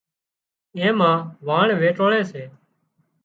اين مان واڻ ويٽوۯي سي